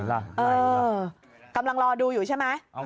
กำลังรอดูอยู่ใช่ไหม